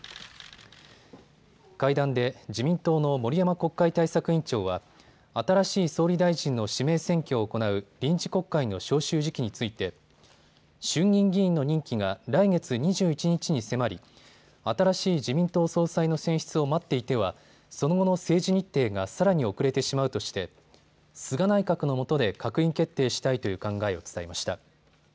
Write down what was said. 会談で自民党の森山国会対策委員長は新しい総理大臣の指名選挙を行う臨時国会の召集時期について衆議院議員の任期が来月２１日に迫り新しい自民党総裁の選出を待っていてはその後の政治日程がさらに遅れてしまうとして菅内閣のもとで閣議決定したいという考えを伝えました。